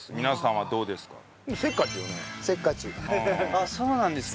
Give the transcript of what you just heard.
あっそうなんですか？